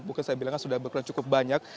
mungkin saya bilangnya sudah berperan cukup banyak